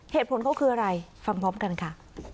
เหตุผลเขาคืออะไรฟังพร้อมกันค่ะ